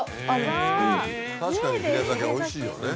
確かにひれ酒はおいしいよね。